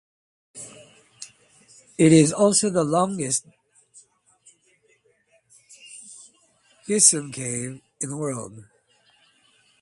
It is also the longest gypsum cave in the world.